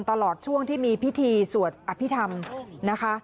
ตลอดช่วงที่มีพิธีสวดอภิษฐรรมนะคะ